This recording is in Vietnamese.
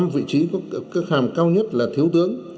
năm vị trí có cấp hàm cao nhất là thiếu tướng